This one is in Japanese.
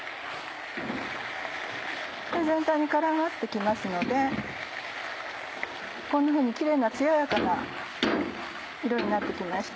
全体に絡まって来ますのでこんなふうにキレイな艶やかな色になって来ました。